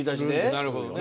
なるほどね。